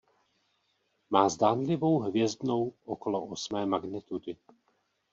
Má zdánlivou hvězdnou okolo osmé magnitudy.